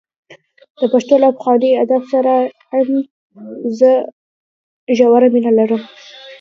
د پښتو له پخواني ادب سره یې هم ژوره مینه لرله.